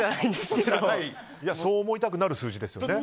そう思いたくなる数字ですよね。